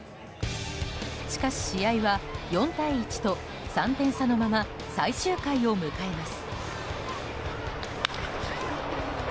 しかし、試合は４対１と３点差のまま最終回を迎えます。